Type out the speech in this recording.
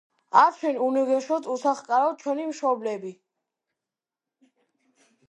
არჩნენ უნუგეშოდ, უსახლკაროდ ჩვენი მშობლები. ი